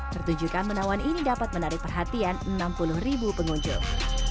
pertunjukan menawan ini dapat menarik perhatian enam puluh ribu pengunjung